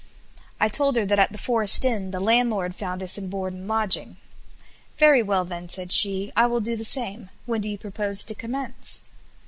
I told her that at the Forest Inn the landlord found us in board and lodging. "Very well, then," said she, "I will do the same. When do you propose to commence?"